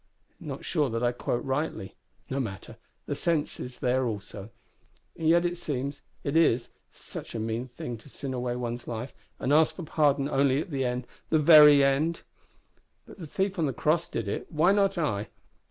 Not sure that I quote rightly. No matter, the sense is there also. And yet it seems it is such a mean thing to sin away one's life and ask for pardon only at the end the very end! But the thief on the cross did it; why not I?